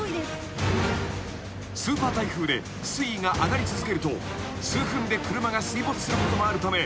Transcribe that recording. ［スーパー台風で水位が上がり続けると数分で車が水没することもあるため］